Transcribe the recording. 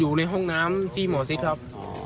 อยู่ในห้องน้ำที่หมอชิดครับ